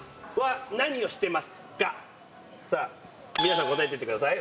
さぁ皆さん答えてってください。